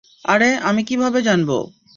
আরে আমি কিভাবে জানবো?